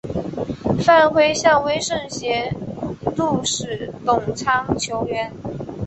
范晖向威胜节度使董昌求援。